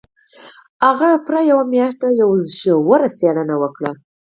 هغه پوره یوه میاشت یوه ژوره څېړنه وکړه